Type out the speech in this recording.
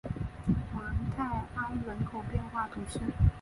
芒泰埃人口变化图示